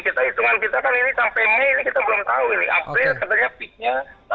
kita hitungan kita kan ini sampai mei ini kita belum tahu ini april katanya peaknya